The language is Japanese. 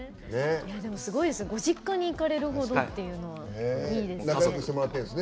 すごいですご実家に行かれるほどっていうのはいいですね。